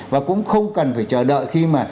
và cũng không cần phải chờ đợi khi mà